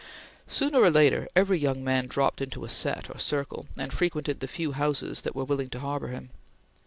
Sooner or later every young man dropped into a set or circle, and frequented the few houses that were willing to harbor him.